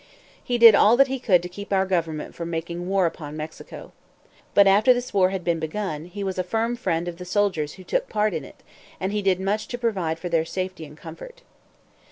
He did all that he could to keep our government from making war upon Mexico. But after this war had been begun, he was a firm friend of the soldiers who took part in it, and he did much to provide for their safety and comfort.